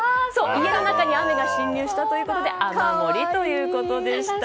家の中に雨が侵入したということで「あまもり」ということでした。